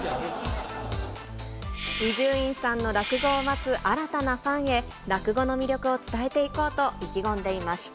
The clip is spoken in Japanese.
伊集院さんの落語を待つ新たなファンへ、落語の魅力を伝えていこうと意気込んでいました。